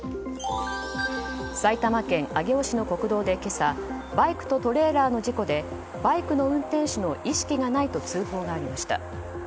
埼玉県上尾市の国道で今朝バイクとトレーラーの事故でバイクの運転手の意識がないと通報がありました。